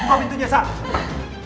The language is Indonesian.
buka pintunya sah